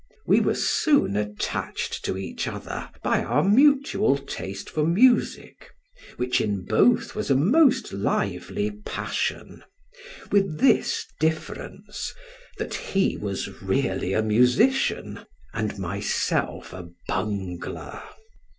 We were soon attached to each other by our mutual taste for music, which in both was a most lively passion, with this difference, that he was really a musician, and myself a bungler.